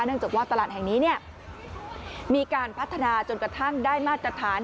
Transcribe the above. จากว่าตลาดแห่งนี้มีการพัฒนาจนกระทั่งได้มาตรฐาน